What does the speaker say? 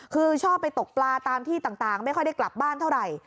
คือชอบไปตกปลาตามที่ต่างไม่ค่อยได้กลับบ้านเท่าไหร่